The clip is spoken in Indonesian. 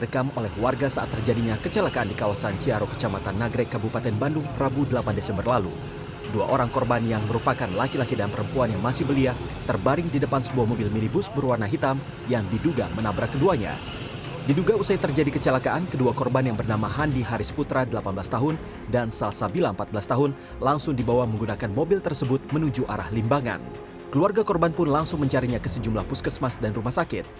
keluarga korban pun langsung mencarinya ke sejumlah puskesmas dan rumah sakit